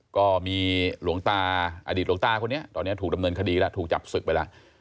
ก็มีหลวงตาอดีตหลวงตาคนนี้ตอนนี้ถูกดำเนินคดีแล้วถูกจับศึกไปแล้ว